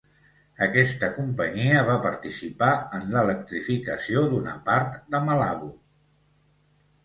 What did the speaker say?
Aquesta companyia va participar en l'electrificació d'una part de Malabo.